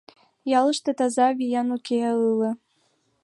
Ялыште таза, виян уке ыле.